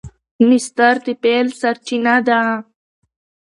مصدر د فعل سرچینه ده.